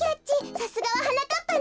さすがははなかっぱね。